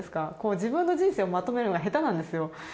自分の人生をまとめるのが下手なんですよ。